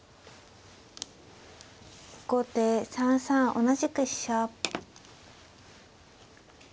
後手３三同じく飛車。